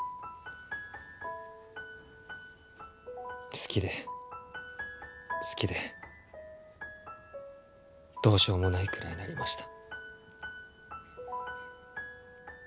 好きで好きでどうしようもないくらいになりました。